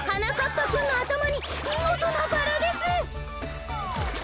ぱくんのあたまにみごとなバラです。